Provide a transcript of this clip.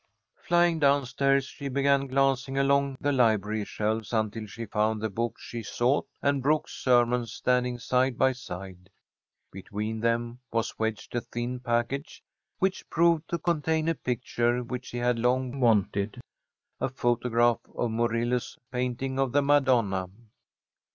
Flying down stairs, she began glancing along the library shelves until she found the book she sought and Brooks's sermons standing side by side. Between them was wedged a thin package which proved to contain a picture which she had long wanted, a photograph of Murillo's painting of the Madonna.